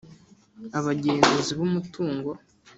Abagenzuzi b umutungo